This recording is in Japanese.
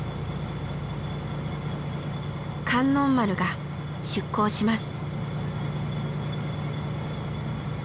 「観音丸」が出港します。